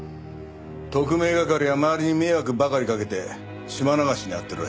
特命係は周りに迷惑ばかりかけて島流しにあってるらしいな。